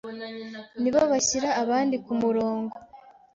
nibo bashyira abandi ku murongo.